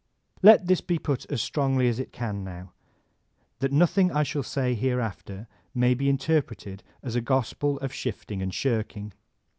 Let this be put as strongly as it can now, that nothing I shall say hereafter may be interpreted as a gospel of shifting and shirking.